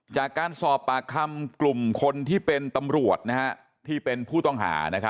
จากการสอบปากคำกลุ่มคนที่เป็นตำรวจที่เป็นผู้ต้องหา